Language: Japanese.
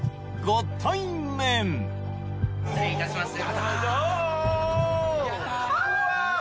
失礼いたします